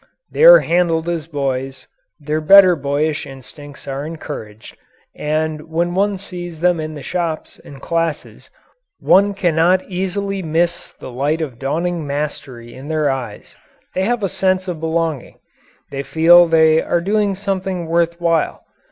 They are handled as boys; their better boyish instincts are encouraged; and when one sees them in the shops and classes one cannot easily miss the light of dawning mastery in their eyes. They have a sense of "belonging." They feel they are doing something worth while.